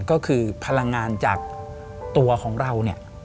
ก็คือพลังงานจากตัวของเรา